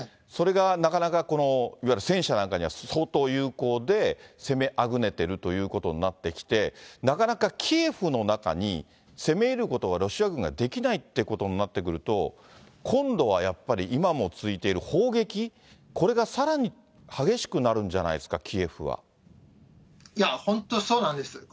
それがなかなかこの、いわゆる戦車なんかには相当有効で、攻めあぐねてるということになってきて、なかなかキエフの中に攻め入ることが、ロシア軍ができないってことになってくると、今度はやっぱり今も続いている砲撃、これがさらに激しくなるんじ本当そうなんです。